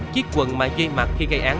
chiếc quần mà duy mặc khi gây án